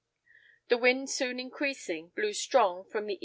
The wind soon increasing, blew strong from the E.